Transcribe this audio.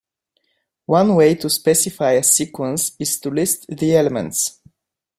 One way to specify a sequence is to list the elements.